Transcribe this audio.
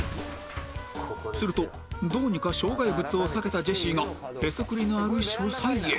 するとどうにか障害物を避けたジェシーがへそくりのある書斎へ